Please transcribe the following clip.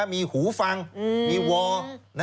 มีหูฟังมีวอร์